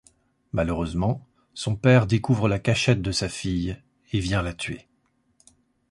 Malheureusement, son père découvre la cachette de sa fille et vient la tuer.